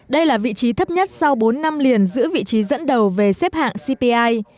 đây là vị trí thấp nhất sau bốn năm liền giữ vị trí dẫn đầu về xếp hạng cpi